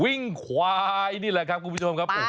วิ่งควายนี่แหละครับคุณผู้ชมครับ